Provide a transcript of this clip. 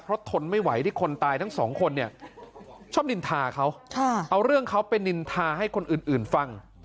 เพราะทนไม่ไหวที่คนตายทั้งสองคนเนี่ยชอบนินทาเขาเอาเรื่องเขาไปนินทาให้คนอื่นฟัง